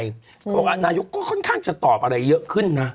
เขาบอกนายกก็ค่อนข้างจะตอบอะไรเยอะขึ้นนะ